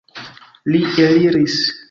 Li eliris.